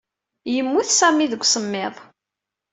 Yemmut Sami seg usemmiḍ.